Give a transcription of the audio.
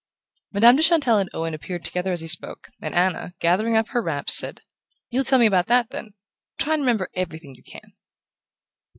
Madame de Chantelle and Owen appeared together as he spoke, and Anna, gathering up her wraps, said: "You'll tell me about that, then. Try and remember everything you can."